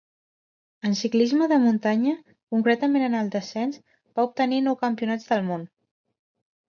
En ciclisme de muntanya, concretament en el descens, va obtenir nou Campionats del món.